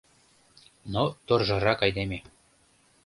Но торжарак айдеме.